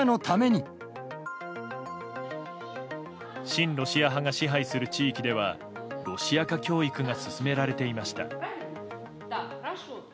親ロシア派が支配する地域ではロシア化教育が進められていました。